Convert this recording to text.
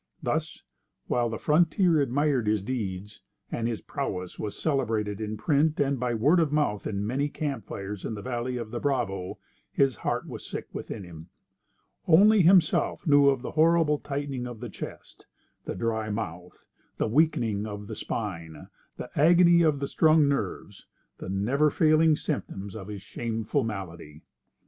Thus, while the frontier admired his deeds, and his prowess was celebrated in print and by word of mouth in many camp fires in the valley of the Bravo, his heart was sick within him. Only himself knew of the horrible tightening of the chest, the dry mouth, the weakening of the spine, the agony of the strung nerves—the never failing symptoms of his shameful malady.